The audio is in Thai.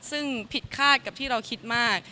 ซึ่งผิดคาดกับที่เราคิดมาก